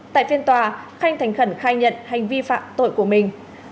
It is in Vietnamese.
tại phiên tòa khanh thành khẩn khai nhận hành vi phạm tội của mình